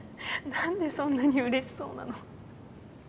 なんでそんなにうれしそうなの。